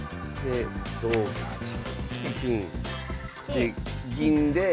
で銀で。